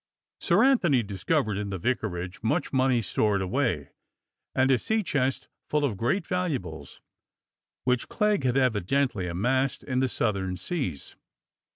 Sir Antony discovered in the vicarage much money stored away, and a sea chest full of great valuables which Clegg had evidently amassed in the Southern Seas.